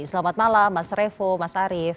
selamat malam mas revo mas arief